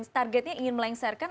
targetnya ingin melengsarkan